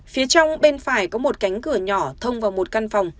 phía trong bên phải có một cánh cửa nhỏ thông vào một căn phòng